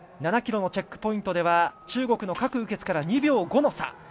７ｋｍのチェックポイントでは中国の郭雨潔から２秒５の差。